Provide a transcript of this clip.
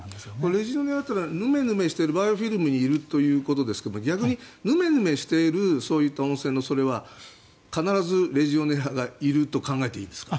レジオネラはヌルヌルしているバイオフィルムにいるということですが逆に、ヌメヌメしているそういった温泉のそれは必ずレジオネラがいると考えていいんですか？